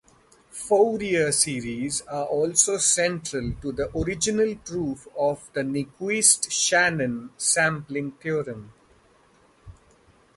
Fourier series are also central to the original proof of the Nyquist-Shannon sampling theorem.